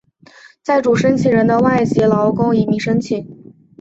在主申请人的外籍劳工移民申请。